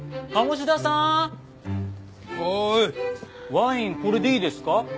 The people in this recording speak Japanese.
ワインこれでいいですか？